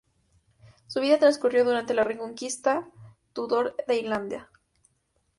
Su vida transcurrió durante la reconquista Tudor de Irlanda.